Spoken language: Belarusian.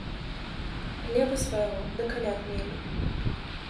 Хлеба свайго да каляд мелі.